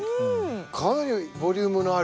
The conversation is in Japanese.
かなりボリュームのある。